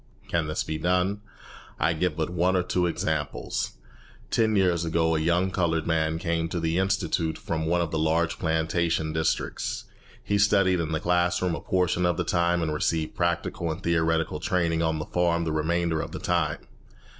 Can this be done? I give but one or two examples. Ten years ago a young coloured man came to the institute from one of the large plantation districts. He studied in the class room a portion of the time, and received practical and theoretical training on the farm the remainder of the time.